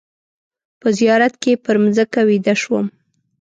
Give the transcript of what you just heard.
په زیارت کې پر مځکه ویده شوم.